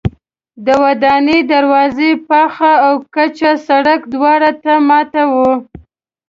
د ودانۍ دروازې پاخه او کچه سړک دواړو ته ماتې وې.